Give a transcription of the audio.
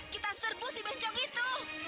kita serbu si bencong itu